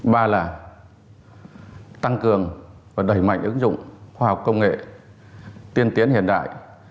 ba là tăng cường và đẩy mạnh ứng dụng khoa học công nghệ tiên tiến hiện đại